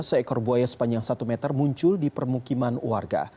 seekor buaya sepanjang satu meter muncul di permukiman warga